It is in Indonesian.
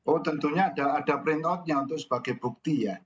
oh tentunya ada printout nya untuk sebagai bukti ya